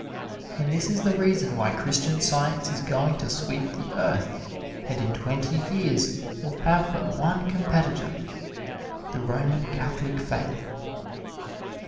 And this is the reason why Christian Science is going to sweep the earth and in twenty years will have but one competitor, the Roman Catholic faith.